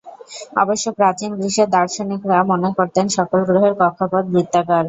অবশ্য প্রাচীন গ্রিসের দার্শনিকরা মনে করতেন সকল গ্রহের কক্ষপথ বৃত্তাকার।